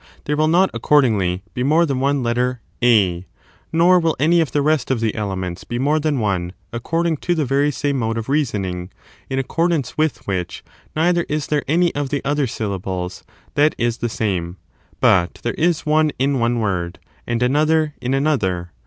There will not, accordingly, be more than one letter A, nor will any of the rest of the elements be more than one according to the very same mode of reasoning, in accordance with which neither is there any of the other syllables that is the same; but there is one in one word, and another in another.